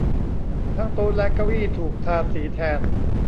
ทั้งโต๊ะและเก้าอี้ถูกทาสีแทน